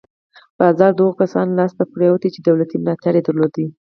بازار د هغو کسانو لاس ته پرېوت چې دولتي ملاتړ یې درلود.